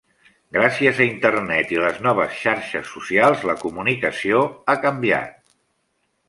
Gràcies a Internet i les noves xarxes socials la comunicació ha canviat.